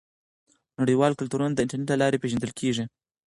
نړیوال کلتورونه د انټرنیټ له لارې پیژندل کیږي.